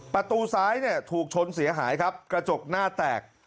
ประตูซ้ายเนี่ยถูกชนเสียหายครับกระจกหน้าแตก